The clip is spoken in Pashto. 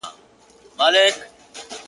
يو دی چي يې ستا په نوم آغاز دی,